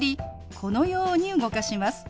このように動かします。